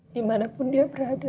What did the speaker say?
dimana pun dia berada